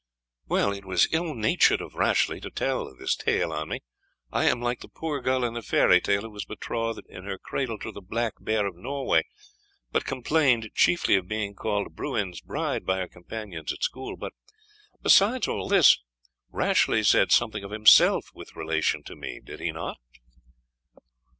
"Well, it was ill natured of Rashleigh to tell this tale on me. I am like the poor girl in the fairy tale, who was betrothed in her cradle to the Black Bear of Norway, but complained chiefly of being called Bruin's bride by her companions at school. But besides all this, Rashleigh said something of himself with relation to me Did he not?"